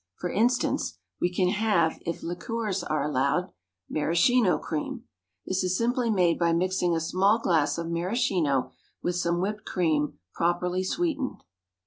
For instance, we can have, if liqueurs are allowed MARASCHINO CREAM. This is simply made by mixing a small glass of maraschino with some whipped cream, properly sweetened.